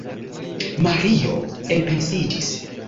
Mario enpensiĝis.